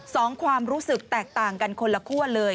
ความรู้สึกแตกต่างกันคนละคั่วเลย